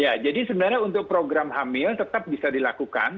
ya jadi sebenarnya untuk program hamil tetap bisa dilakukan